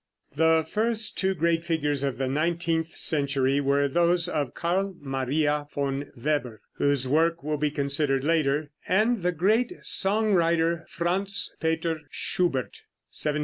The first two great figures of the nineteenth century were those of Carl Maria von Weber, whose work will be considered later, and the great song writer, Franz Peter Schubert (1797 1828).